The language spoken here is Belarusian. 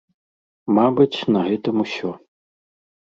Мабыць, на гэтым усё.